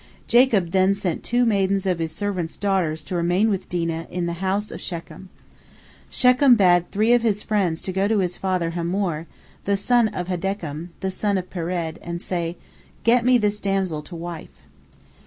Jacob then sent two maidens of his servants' daughters to remain with Dinah in the house of Shechem. Shechem bade three of his friends go to his father Hamor, the son of Haddakum, the son of Pered, and say, "Get me this damsel to wife."